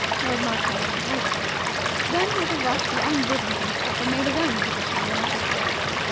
Lord Marshmoreton hesitated. Then with a rush he unbosomed himself, and made his own position on the matter clear.